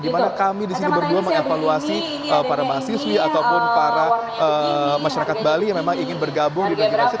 di mana kami di sini berdua mengevaluasi para mahasiswi ataupun para masyarakat bali yang memang ingin bergabung di negeri asing